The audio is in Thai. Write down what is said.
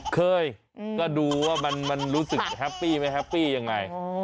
เคยก็ดูว่ามันรู้สึกแฮปปี้ไหมแฮปปี้ยังไง